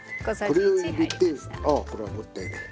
これを入れてああこれはもったいない。